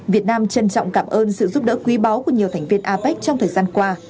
việt nam trân trọng cảm ơn sự giúp đỡ quý báu của nhiều thành viên apec trong thời gian qua